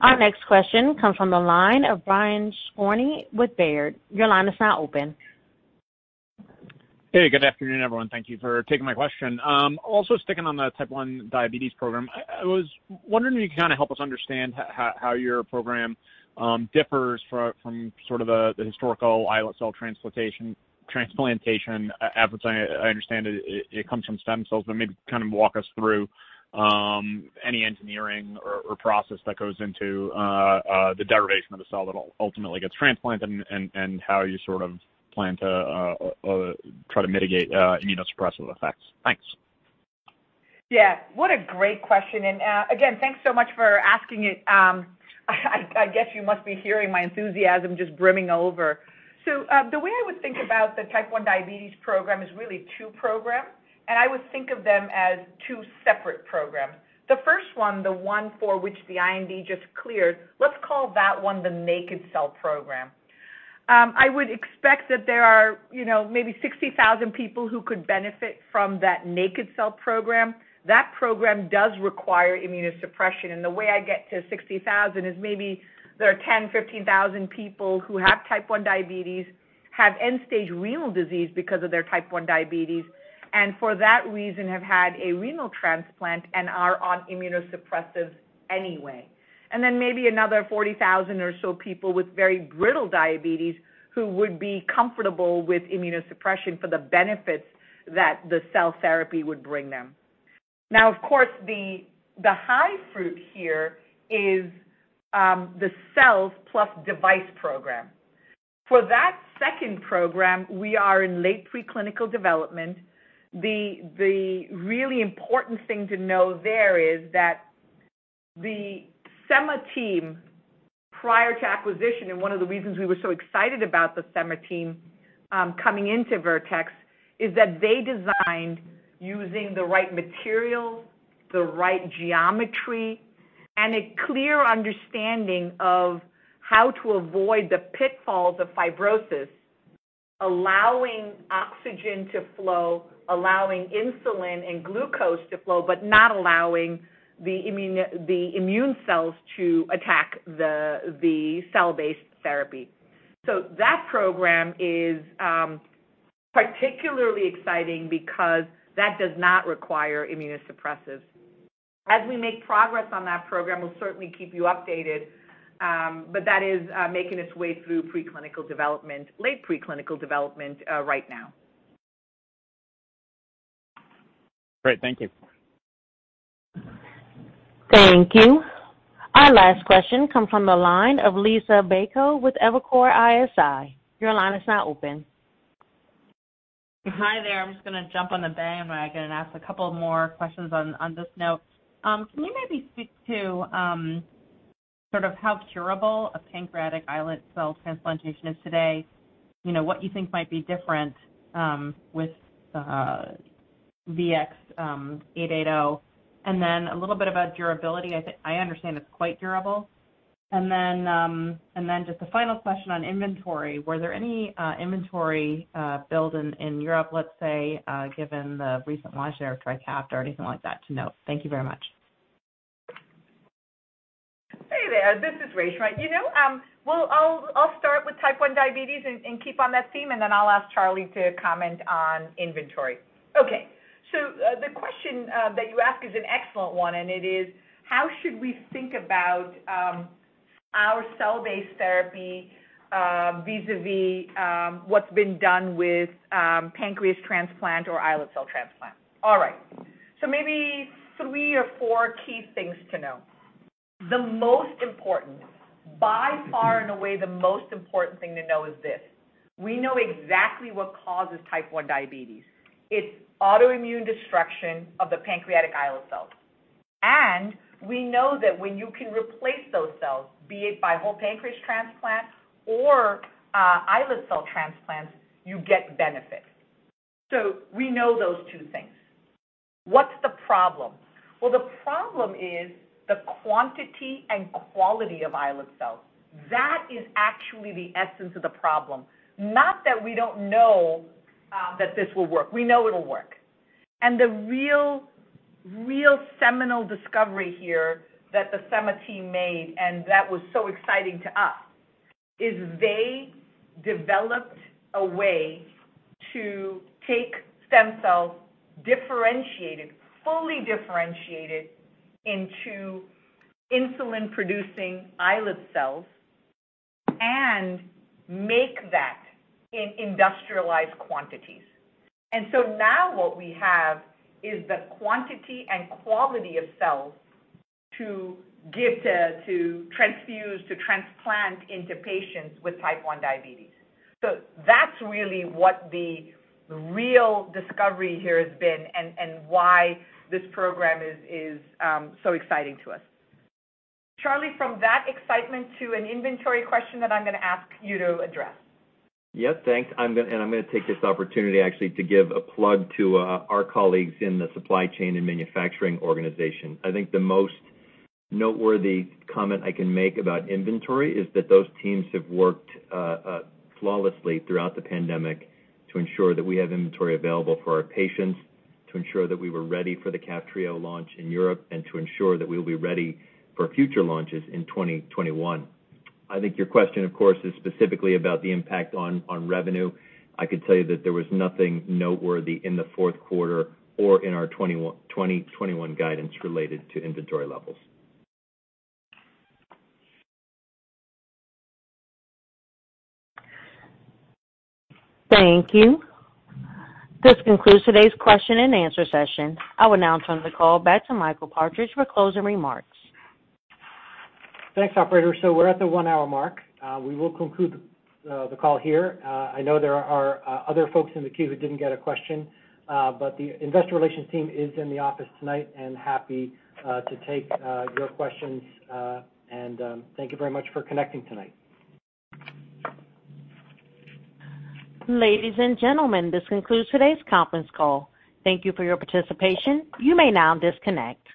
Our next question comes from the line of Brian Skorney with Baird. Your line is now open. Hey, good afternoon, everyone. Thank you for taking my question. Also sticking on the Type 1 diabetes program. I was wondering if you could kind of help us understand how your program differs from sort of the historical islet cell transplantation efforts. I understand it comes from stem cells, but maybe kind of walk us through any engineering or process that goes into the derivation of the cell that ultimately gets transplanted and how you sort of plan to try to mitigate immunosuppressive effects. Thanks. Yeah. What a great question. Again, thanks so much for asking it. I guess you must be hearing my enthusiasm just brimming over. The way I would think about the Type 1 diabetes program is really two programs, and I would think of them as two separate programs. The first one, the one for which the IND just cleared, let's call that one the naked cell program. I would expect that there are maybe 60,000 people who could benefit from that naked cell program. That program does require immunosuppression, and the way I get to 60,000 is maybe there are 10,000, 15,000 people who have Type 1 diabetes, have end-stage renal disease because of their Type 1 diabetes, and for that reason, have had a renal transplant and are on immunosuppressives anyway. Maybe another 40,000 or so people with very brittle diabetes who would be comfortable with immunosuppression for the benefits that the cell therapy would bring them. Now, of course, the high fruit here is the cells plus device program. For that second program, we are in late preclinical development. The really important thing to know there is that the Semma team, prior to acquisition, and one of the reasons we were so excited about the Semma team coming into Vertex, is that they designed using the right materials, the right geometry, and a clear understanding of how to avoid the pitfalls of fibrosis, allowing oxygen to flow, allowing insulin and glucose to flow, but not allowing the immune cells to attack the cell-based therapy. That program is particularly exciting because that does not require immunosuppressives. As we make progress on that program, we'll certainly keep you updated, but that is making its way through late preclinical development right now. Great. Thank you. Thank you. Our last question comes from the line of Liisa Bayko with Evercore ISI. Your line is now open. Hi there. I'm just going to jump on the bandwagon and ask a couple more questions on this note. Can you maybe speak to how curable a pancreatic islet cell transplantation is today? What you think might be different with VX-880, and then a little bit about durability. I understand it's quite durable. Just a final question on inventory. Were there any inventory build in Europe, let's say, given the recent launch there of TRIKAFTA or anything like that to note? Thank you very much. Hey there. This is Reshma. I'll start with Type 1 diabetes and keep on that theme, and then I'll ask Charlie to comment on inventory. Okay. The question that you ask is an excellent one, and it is, how should we think about our cell-based therapy vis-a-vis what's been done with pancreas transplant or islet cell transplant? All right. Maybe three or four key things to know. The most important, by far and away, the most important thing to know is this. We know exactly what causes Type 1 diabetes. It's autoimmune destruction of the pancreatic islet cells. And we know that when you can replace those cells, be it by whole pancreas transplant or islet cell transplants, you get benefit. We know those two things. What's the problem? Well, the problem is the quantity and quality of islet cells. That is actually the essence of the problem. Not that we don't know that this will work. We know it'll work. The real seminal discovery here that the Semma team made, and that was so exciting to us, is they developed a way to take stem cells differentiated, fully differentiated into insulin-producing islet cells and make that in industrialized quantities. Now what we have is the quantity and quality of cells to transfuse, to transplant into patients with Type 1 diabetes. That's really what the real discovery here has been and why this program is so exciting to us. Charlie, from that excitement to an inventory question that I'm going to ask you to address. Yes, thanks. I'm going to take this opportunity actually to give a plug to our colleagues in the supply chain and manufacturing organization. I think the most noteworthy comment I can make about inventory is that those teams have worked flawlessly throughout the pandemic to ensure that we have inventory available for our patients, to ensure that we were ready for the KAFTRIO launch in Europe, and to ensure that we'll be ready for future launches in 2021. I think your question, of course, is specifically about the impact on revenue. I could tell you that there was nothing noteworthy in the fourth quarter or in our 2021 guidance related to inventory levels. Thank you. This concludes today's question and answer session. I will now turn the call back to Michael Partridge for closing remarks. Thanks, operator. We're at the one-hour mark. We will conclude the call here. I know there are other folks in the queue who didn't get a question, the investor relations team is in the office tonight and happy to take your questions. Thank you very much for connecting tonight. Ladies and gentlemen, this concludes today's conference call. Thank you for your participation. You may now disconnect.